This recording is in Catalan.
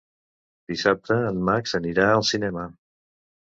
Dissabte en Max anirà al cinema.